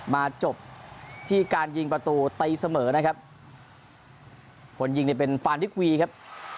มาจบที่การยิงประตูตีเสมอนะครับคนยิงเนี่ยเป็นฟานดิกวีครับ